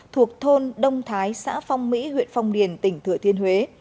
thuộc thôn đông thái xã phong mỹ huyện phong điền tỉnh thừa thiên huế